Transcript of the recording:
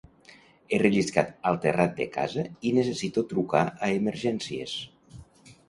He relliscat al terrat de casa i necessito trucar a Emergències.